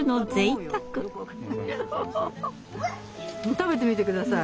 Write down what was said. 食べてみて下さい。